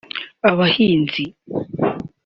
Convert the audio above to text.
abahinzi